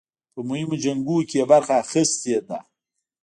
په مهمو جنګونو کې یې برخه اخیستې ده.